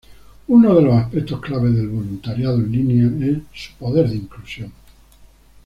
Uno de los aspectos clave del voluntariado en línea es su poder de inclusión.